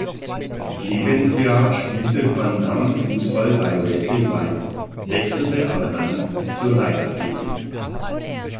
Lebensjahr spielte Van Damme Fußball bei "Racing White," wechselte aber dann zur Leichtathletik.